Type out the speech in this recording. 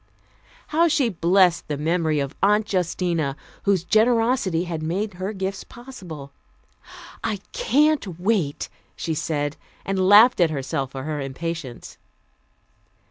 How she blessed the memory of Aunt Justina, whose generosity had made her gifts possible! "I can't wait," she said, and laughed at herself for her impatience.